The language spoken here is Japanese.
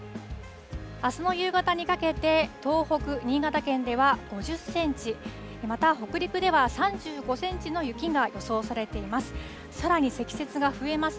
あすの夕方にかけて、東北、新潟県では５０センチ、また北陸では３５センチの雪が予想されています。